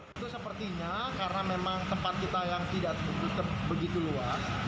itu sepertinya karena memang tempat kita yang tidak begitu luas